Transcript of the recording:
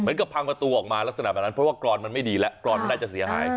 กับพังประตูออกมาลักษณะแบบนั้นเพราะว่ากรอนมันไม่ดีแล้วกรอนมันน่าจะเสียหาย